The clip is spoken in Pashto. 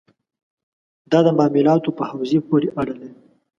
دا د معاملاتو په حوزې پورې اړه لري.